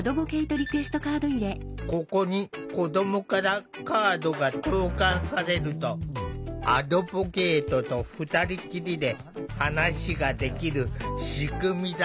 ここに子どもからカードが投かんされるとアドボケイトと２人きりで話ができる仕組みだ。